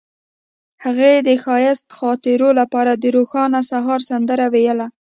هغې د ښایسته خاطرو لپاره د روښانه سهار سندره ویله.